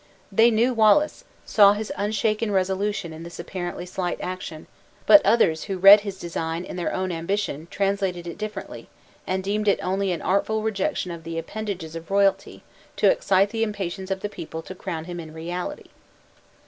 They knew Wallace, saw his unshaken resolution in this apparently slight action; but others who read his design in their own ambition, translated it differently, and deemed it only an artful rejection of the appendages of royalty, to excite the impatience of the people to crown him in reality.